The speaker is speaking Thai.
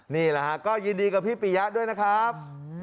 นี่แหละฮะก็ยินดีกับพี่ปียะด้วยนะครับ